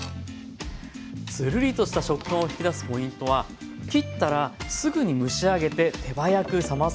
つるりとした食感を引き出すポイントは切ったらすぐに蒸し上げて手早く冷ますことです。